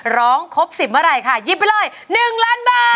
ต้องครบสิบเมื่อไหร่ค่ะยิบไปเลย๑ล้านบาท